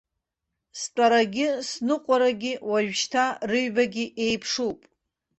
Стәарагьы сныҟәарагьы уажәшьҭа рыҩбагьы еиԥшуп.